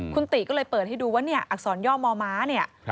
คุณติก็เลยเปิดให้ดูว่าเนี่ยอักษรย่อมอม้าเนี่ย